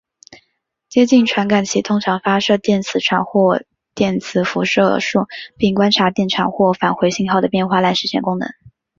接近传感器通常发射电磁场或电磁辐射束并观察电场或返回信号的变化来实现功能。